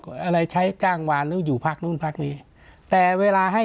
อะไรใช้จ้างวานหรืออยู่พักนู่นพักนี้แต่เวลาให้